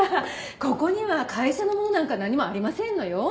ここには会社のものなんか何もありませんのよ。